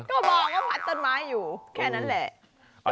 ก็มองว่าพัดต้นไม้อยู่แค่นั้นแหละ